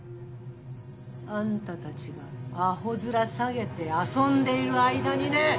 あんたたちがアホ面下げて遊んでいる間にね。